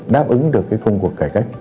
đáp ứng được công cuộc cải cách